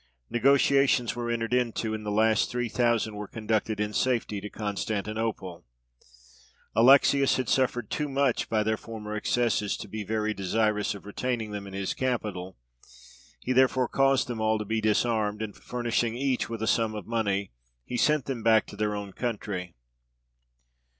Negotiations were entered into, and the last three thousand were conducted in safety to Constantinople. Alexius had suffered too much by their former excesses to be very desirous of retaining them in his capital: he therefore caused them all to be disarmed, and, furnishing each with a sum of money, he sent them back to their own country.